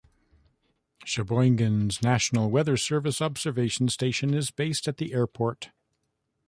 Sheboygan's National Weather Service observation station is based at the airport.